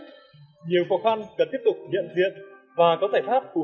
nhiều khó khăn cần tiếp tục nhận diện và có giải pháp phù hợp để phát phục